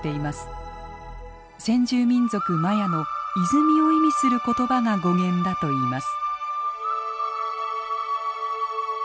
先住民族マヤの泉を意味する言葉が語源だといいます。